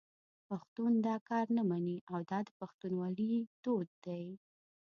پښتون دا کار نه مني او دا د پښتونولي دود دی.